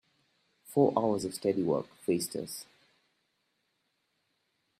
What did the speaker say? Four hours of steady work faced us.